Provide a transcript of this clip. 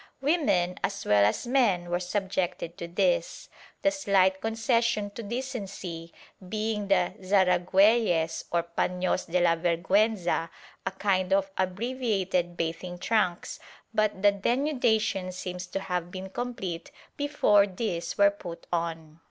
Women as well as men were subjected to this, the slight concession to decency being the zaragiXelles or panos de la vergiienza, a kind of abbreviated bathing trunks, but the denudation seems to have been complete before these were put on.